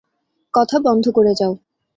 কথা বন্ধ করে যাও।